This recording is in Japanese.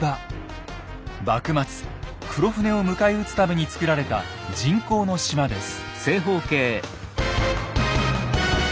幕末黒船を迎え撃つために造られた人工の島です。